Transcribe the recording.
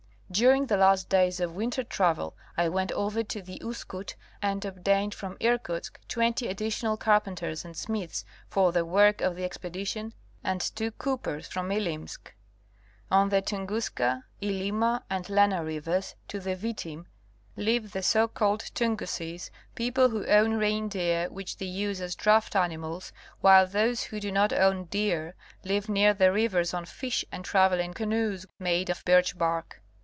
During the last days of winter travel I went over to the Uskut and obtained from Irkutsk twenty additional carpenters and smiths for the work of the expedition and two goonets from Ilimsk, On the Tunguska, [lima and Lena rivers to the Vitim live the so called Tunguses, people who own reindeer which they use as 'draught animals, while those who do not own deer live near the rivers on fish and travel in canoes made of birch bark.